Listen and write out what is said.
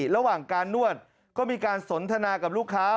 ระหว่างการนวดก็มีการสนทนากับลูกค้า